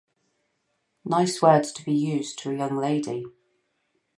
Nice words to be used to a young lady!